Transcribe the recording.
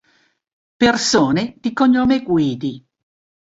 Persone di cognome Guidi